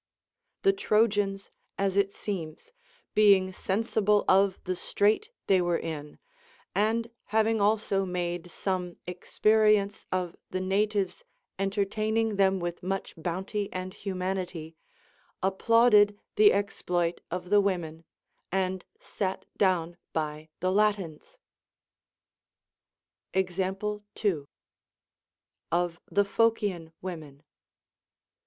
343 The Trojans as it seems, being sensible of the strait they were in, and having also made some experience of the na tives entertaining them with mnch bounty and humanity, applauded the exploit of the women, and sat down by the Latins. Example 2. Of the Phocian Women.